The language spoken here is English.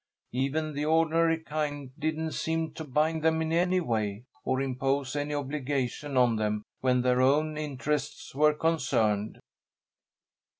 Even the ordinary kind didn't seem to bind them in any way, or impose any obligation on them when their own interests were concerned."